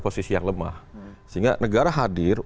posisi yang lemah sehingga negara hadir